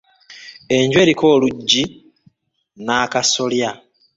Enju eriko oluggi n'akasolya.